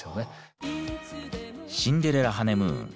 「シンデレラ・ハネムーン」。